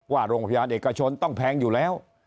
ว่าโรงพยาบาลเอกชนต้องแพงอยู่แล้ว